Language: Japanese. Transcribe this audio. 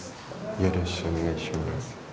よろしくお願いします。